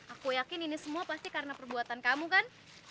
aku yakin ini semua pasti karena perbuatan kamu kan